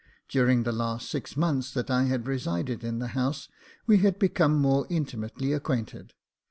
During the last six months that I had resided in the house, we had become more intimately acquainted.